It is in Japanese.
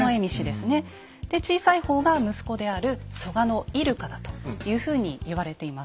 で小さい方が息子である蘇我入鹿だというふうに言われています。